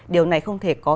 điều này không thể có